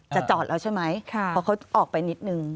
จอดแล้วใช่ไหมเพราะเขาออกไปนิดนึง